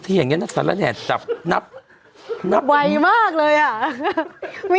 เป็นการกระตุ้นการไหลเวียนของเลือด